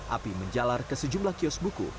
api menjalar ke sejumlah kios buku